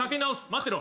待ってろ。